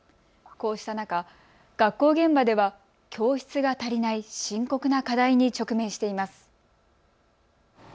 こうした中、学校現場では教室が足りない深刻な課題に直面しています。